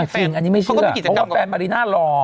จริงอันนี้ไม่เชื่อเพราะว่าแฟนมาริน่ารอ